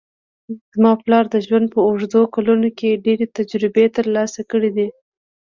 زما پلار د ژوند په اوږدو کلونو کې ډېرې تجربې ترلاسه کړې دي